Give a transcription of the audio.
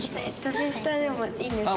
年下でもいいんですか？